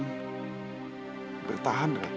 aku juga berharap ratu boleh berhasil